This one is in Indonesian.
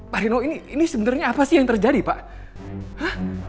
pak rino ini sebenarnya apa sih yang terjadi pak